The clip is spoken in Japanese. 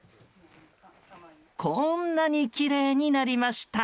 こんなにきれいになりました！